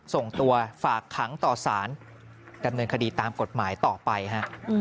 ส่งตัวฝากขังต่อสารดำเนินคดีตามกฎหมายต่อไปฮะ